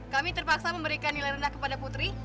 kami terpaksa memberikan nilai rendah kepada putri